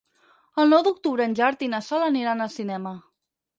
El nou d'octubre en Gerard i na Sol aniran al cinema.